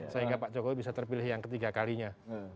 sehingga pak jokowi bisa terpilih yang ketiga kalinya